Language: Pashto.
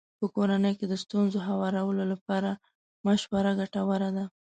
په کورنۍ کې د ستونزو هوارولو لپاره مشوره ګټوره ده.